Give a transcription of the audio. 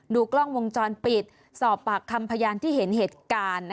กล้องวงจรปิดสอบปากคำพยานที่เห็นเหตุการณ์